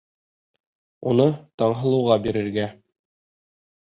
Уны Таңһылыуға бирергә!